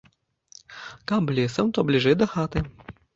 Каб лесам, то бліжэй да хаты.